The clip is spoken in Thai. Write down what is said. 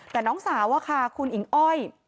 แต่น้องสาวอะค่ะคุณอิ๋งอ้อย